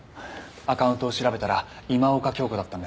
アカウントを調べたら今岡鏡子だったんです。